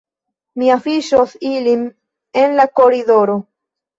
Mi afiŝos ilin en la koridoro